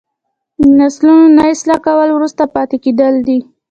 د نسلونو نه اصلاح کول وروسته پاتې کیدل دي.